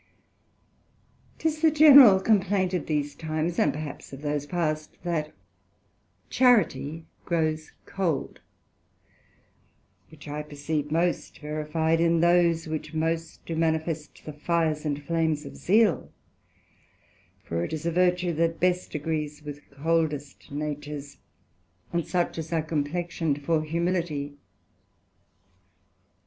'Tis the general complaint of these times, and perhaps of those past, that charity grows cold; which I perceive most verified in those which most do manifest the fires and flames of zeal; for it is a virtue that best agrees with coldest natures, and such as are complexioned for humility.